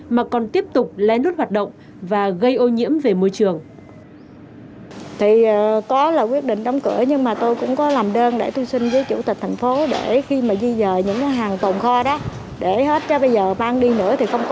mà còn tiếp tục lé nút hoạt động và gây ô nhiễm về môi trường